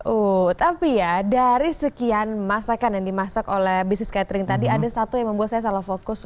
uh tapi ya dari sekian masakan yang dimasak oleh bisnis catering tadi ada satu yang membuat saya salah fokus